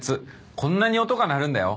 こんなに音が鳴るんだよ。